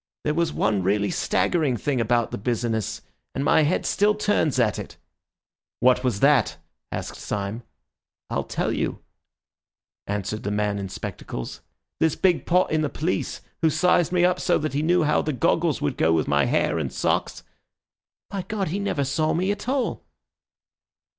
There was one really staggering thing about the business, and my head still turns at it." "What was that?" asked Syme. "I'll tell you," answered the man in spectacles. "This big pot in the police who sized me up so that he knew how the goggles would go with my hair and socks—by God, he never saw me at all!"